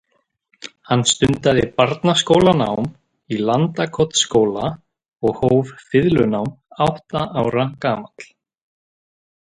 Hann stundaði barnaskólanám í Landakotsskóla og hóf fiðlunám átta ára gamall.